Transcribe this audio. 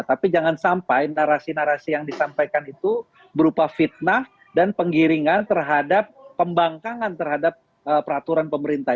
tapi jangan sampai narasi narasi yang disampaikan itu berupa fitnah dan penggiringan terhadap pembangkangan terhadap peraturan pemerintah